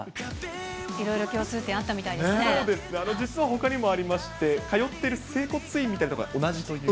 いろいろ共通点あったみたいそうです、実はほかにもありまして、通ってる整骨院みたいな所が同じという。